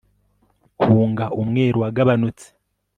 Hunga umweru wagabanutse